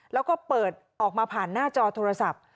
แล้วก็เปิดออกมาผ่านหน้าจอโทรศัพท์